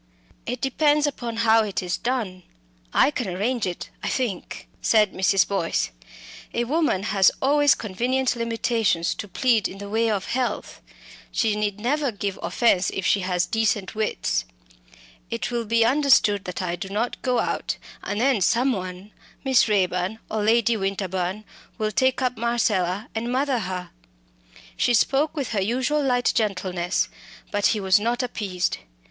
"It depends upon how it is done. I can arrange it, I think," said Mrs. Boyce. "A woman has always convenient limitations to plead in the way of health. She need never give offence if she has decent wits. It will be understood that I do not go out, and then someone Miss Raeburn or Lady Winterbourne will take up Marcella and mother her." She spoke with her usual light gentleness, but he was not appeased.